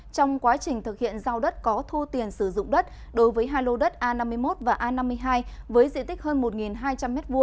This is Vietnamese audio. trong quá trình thực hiện giao đất có thu tiền sử dụng đất đối với hai lô đất a năm mươi một và a năm mươi hai với diện tích hơn một hai trăm linh m hai